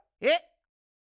えっ？